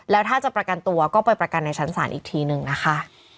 แล้วถ้าจะประกันตัวก็ไปประกันในชั้นศาลอีกทีหนึ่งนะคะ